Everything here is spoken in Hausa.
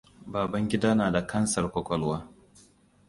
Babangida na da kansar ƙwaƙwalwa.